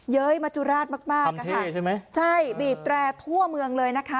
เย้ยมจุราชมากมากทำเท่ใช่ไหมใช่บีบแตรกทั่วเมืองเลยนะคะ